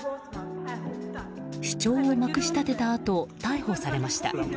主張をまくし立てたあと逮捕されました。